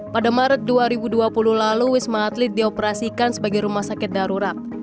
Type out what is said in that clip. pada maret dua ribu dua puluh lalu wisma atlet dioperasikan sebagai rumah sakit darurat